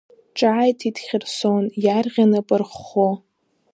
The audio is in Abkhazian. Ҿааиҭит Хьырсон, иарӷьа напы рххо.